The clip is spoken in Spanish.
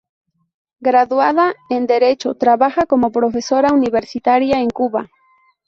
Graduada en Derecho, trabaja como profesora universitaria en Cuba.